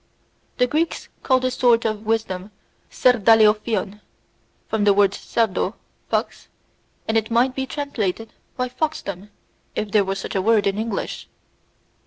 The Greeks call this sort of wisdom Cerdaleophyon from the word cerdo; fox, and it might be translated by foxdom if there were such a word in English.